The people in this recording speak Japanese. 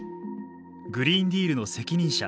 グリーンディールの責任者